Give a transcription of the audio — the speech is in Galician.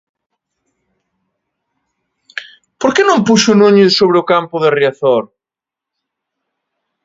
Por que non puxo Núñez sobre o campo de Riazor?